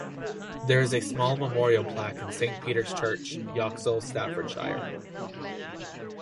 There is a small memorial plaque in Saint Peter's Church, Yoxall, Staffordshire.